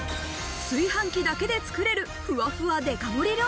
炊飯器だけで作れる、ふわふわデカ盛り